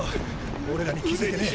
俺らに気づいてねぇ。